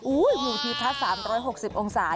โอ๊ยอยู่ที่พระศาสตร์๓๖๐องศา